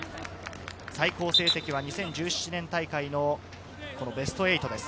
最高成績は２０１７年大会のベスト８です。